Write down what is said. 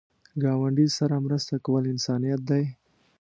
ګاونډي سره مرسته کول انسانیت دی